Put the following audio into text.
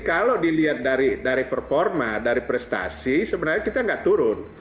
kalau dilihat dari performa dari prestasi sebenarnya kita nggak turun